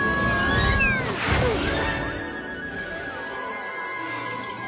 うっ！